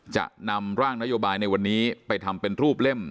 จะนำร่างนโยบายในวันนี้ไปทำเป็นรูปเล่ม